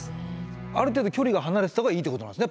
ある程度距離が離れてた方がいいってことなんですね